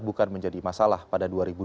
bukan menjadi masalah pada dua ribu dua puluh